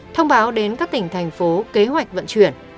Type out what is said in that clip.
thông báo đến các tỉnh thành phố kế hoạch vận chuyển